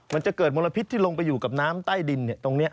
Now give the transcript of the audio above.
มันจะเกิดมลพิษที่ลงไปอยู่กับน้ำใต้ดินตรงนี้